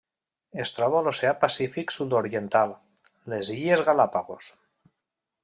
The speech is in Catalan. Es troba a l'Oceà Pacífic sud-oriental: les Illes Galápagos.